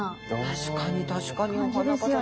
確かに確かにお花畑だ。